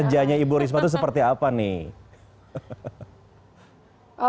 kerjanya ibu risma itu seperti apa nih